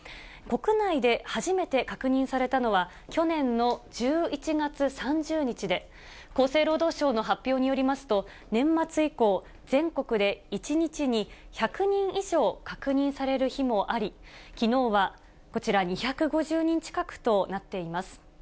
国内で初めて確認されたのは、去年の１１月３０日で、厚生労働省の発表によりますと、年末以降、全国で１日に１００人以上確認される日もあり、きのうはこちら、２５０人近くとなっています。